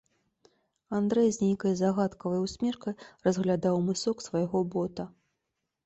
Андрэй з нейкай загадкавай усмешкай разглядаў мысок свайго бота.